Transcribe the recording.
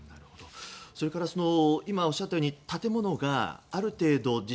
それから今おっしゃったように建物がある程度